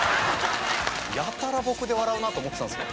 やたら僕で笑うなあと思ってたんですよ。